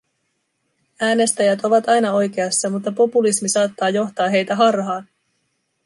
Äänestäjät ovat aina oikeassa, mutta populismi saattaa johtaa heitä harhaan.